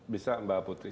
bisa mbak putri